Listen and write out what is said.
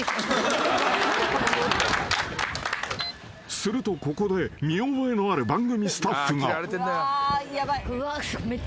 ［するとここで見覚えのある番組スタッフが］えっ！？